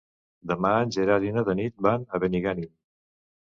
Demà en Gerard i na Tanit van a Benigànim.